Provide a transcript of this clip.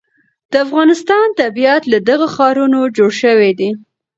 د افغانستان طبیعت له دغو ښارونو جوړ شوی دی.